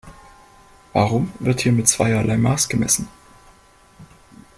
Warum wird hier mit zweierlei Maß gemessen?